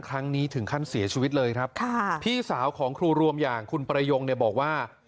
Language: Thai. ครั้งนี้ถึงขั้นเสียชีวิตเลยครับค่ะพี่สาวของครูรวมอย่างคุณประยงเนี่ยบอกว่า